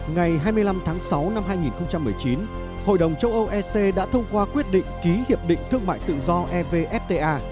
ngày hai mươi năm tháng sáu năm hai nghìn một mươi chín hội đồng châu âu ec đã thông qua quyết định ký hiệp định thương mại tự do evfta